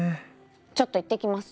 ちょっと行ってきます！